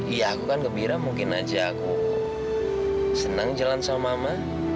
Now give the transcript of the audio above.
iya aku kan gembira mungkin aja aku senang jalan sama mama